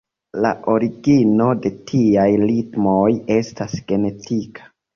La origino de tiaj ritmoj estas genetika.